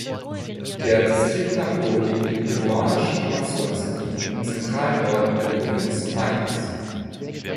Der Distrikt Napo liegt im peruanischen Amazonasgebiet im zentralen Norden der Provinz Maynas.